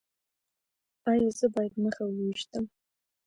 ایا زه باید نښه وویشتم؟